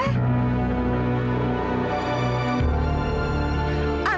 kamila itu perempuan kamu